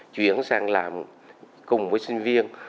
chuyển sang làm cùng với sinh viên